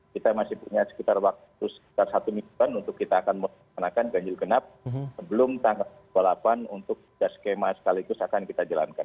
kita masih punya sekitar waktu sekitar satu minit untuk kita akan menggunakan kanyukenap sebelum tanggal dua puluh delapan untuk skema sekaligus akan kita jalankan